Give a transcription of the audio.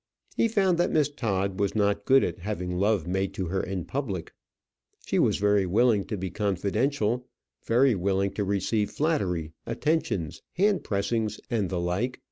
He found that Miss Todd was not good at having love made to her in public. She was very willing to be confidential, very willing to receive flattery, attentions, hand pressings, and the like.